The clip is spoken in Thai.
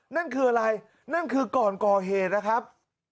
นั่นคืออะไรนั่นคือก่อนก่อเหตุนะครับ